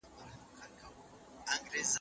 ځينې سياستپوهان هم پر خپلې رشتې نيوکي کوي.